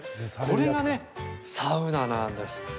これがね、サウナなんです。